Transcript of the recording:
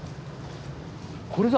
これだ！